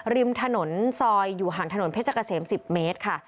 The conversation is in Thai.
ริมถนนซอยอยู่ห่างถนนเพชรเกษม๑๐เมตรค่ะ